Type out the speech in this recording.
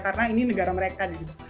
karena ini negara mereka gitu